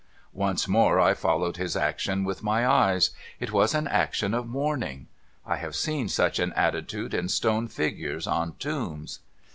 Once rnore I followed his action with my eyes. It was an action of mourning. I have seen such an attitude in stone figures on tombs.